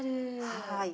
はい。